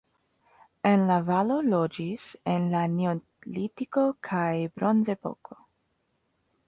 En la valo loĝis en la neolitiko kaj bronzepoko.